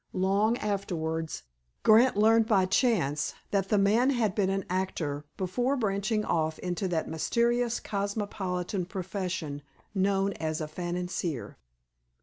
Long afterwards, Grant learned, by chance, that the man had been an actor before branching off into that mysterious cosmopolitan profession known as "a financier."